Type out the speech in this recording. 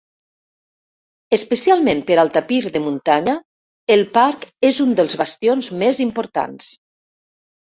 Especialment per al tapir de muntanya, el parc és un dels bastions més importants.